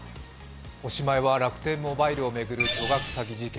おしまいは楽天モバイルを巡る巨額詐欺事件。